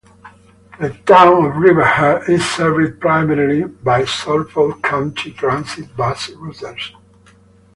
The Town of Riverhead is served primarily by Suffolk County Transit bus routes.